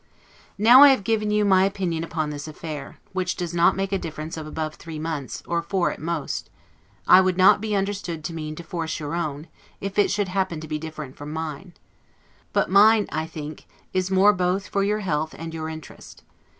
Now I have given you my opinion upon this affair, which does not make a difference of above three months, or four at most, I would not be understood to mean to force your own, if it should happen to be different from mine; but mine, I think, is more both for your health and your interest.